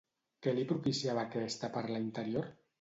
Què li propiciava aquesta parla interior?